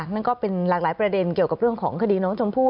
นั่นก็เป็นหลากหลายประเด็นเกี่ยวกับเรื่องของคดีน้องชมพู่